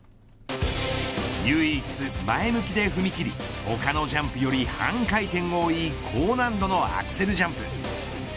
唯一、前向きで踏み切り他のジャンプより半回転多い高難度のアクセルジャンプ。